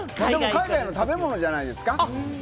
食べ物じゃないですか？